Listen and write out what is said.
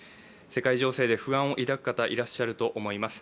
世界情勢で不安を抱く方いらっしゃると思います。